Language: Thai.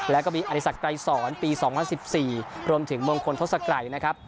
แล้วก็มีอริสักไกรสอนปี๒๐๑๔รวมถึงมงคลทศกรัยนะครับ